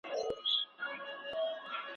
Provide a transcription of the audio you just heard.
زما ورور په سیاست پوهنه کي زده کړې کوي.